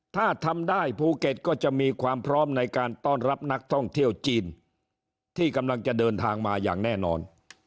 ถ้าทำได้ภูเก็ตก็จะมีความพร้อมในการต้อนรับนักท่องเที่ยวจีนที่กำลังจะเดินทางมาอย่างแน่นอน